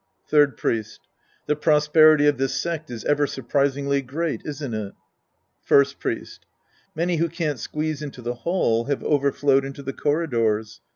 Third Priest. The prosperity of this sect's ever surprisingly great, isn't it ? First Priest. Many who can't squeeze into the hall have overflowed into the corridors.